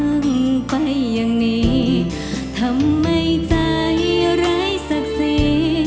รั้งไปอย่างนี้ทำให้ใจไร้ศักดิ์สี